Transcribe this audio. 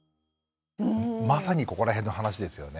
まさにここら辺の話ですよね。